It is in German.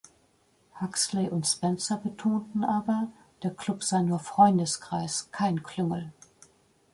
Huxley und Spencer betonten aber, der Club sei nur Freundeskreis, kein Klüngel.